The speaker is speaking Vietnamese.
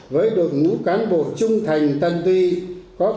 với đội ngũ cán bộ trung thành tân tuy có bản thân